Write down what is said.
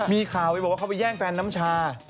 มีข่าวไปบอกว่าเขาไปแย่งแฟนน้ำชา